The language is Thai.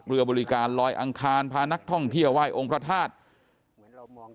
เรือบริการลอยอังคารพานักท่องเที่ยวไหว้องค์พระธาตุ